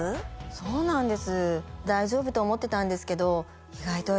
そうなんです。